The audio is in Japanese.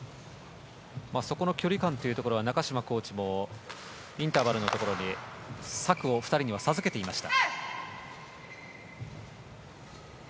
そこの距離感が中島コーチもインターバルのところに策を２人には授けていました。